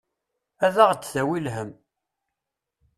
Ad aɣ-d-tawi lhemm.